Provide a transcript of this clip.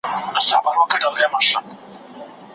څېړونکی باید له کره کتني سره هم اشنا وي.